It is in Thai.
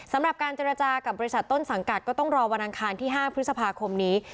สำหรับการเจรจากับบริษัทต้นสังกัดก็ต้องรอวันอังคารที่๕พฤษภาคมนี้